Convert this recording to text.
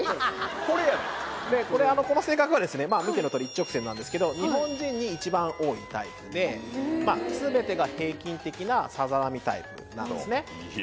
これやねんこの性格は見てのとおり一直線なんですけど日本人に一番多いタイプですべてが平均的なさざ波タイプなんですね